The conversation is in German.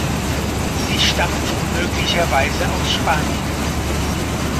Sie stammt möglicherweise aus Spanien.